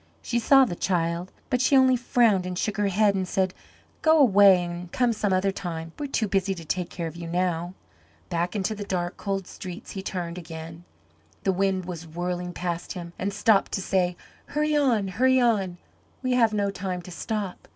She saw the child, but she only frowned and shook her head and said, "Go away and come some other time. We are too busy to take care of you now." Back into the dark, cold streets he turned again. The wind was whirling past him and seemed to say, "Hurry on, hurry on, we have no time to stop.